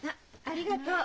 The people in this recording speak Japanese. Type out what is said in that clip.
ありがとう。